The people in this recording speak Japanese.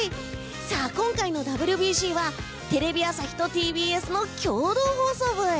今回のＷＢＣはテレビ朝日とＴＢＳの共同放送ブイ！